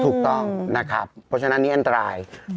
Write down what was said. ถูกต้องนะครับเพราะฉะนั้นอันนี้อันตราย